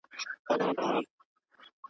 چي هره ورځ دي په سر اوښکو ډکومه!